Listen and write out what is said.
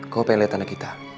kamu pengen liat anak kita